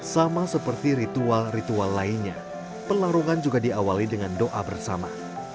sama seperti ritual ritual lainnya pelarungan juga diawali dengan doa bersama